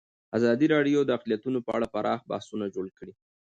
ازادي راډیو د اقلیتونه په اړه پراخ بحثونه جوړ کړي.